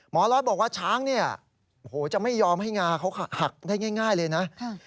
ร้อยบอกว่าช้างเนี่ยโอ้โหจะไม่ยอมให้งาเขาหักได้ง่ายเลยนะ